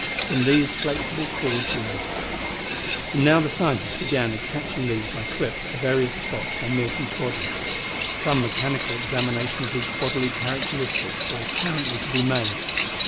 From these flexible cords led; and now the scientists began attaching these by clips to various spots on Milton's body. Some mechanical examination of his bodily characteristics were apparently to be made.